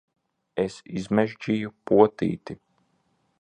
Es izmežģīju potīti!